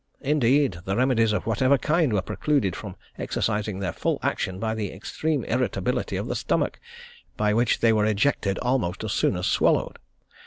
Indeed, the remedies of whatever kind were precluded from exercising their full action by the extreme irritability of the stomach, by which they were ejected almost as soon as swallowed.